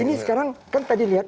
ini sekarang kan tadi lihat